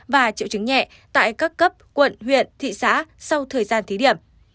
và triệu chứng nhẹ tại các cấp quận huyện thị xã sau thời gian thí điểm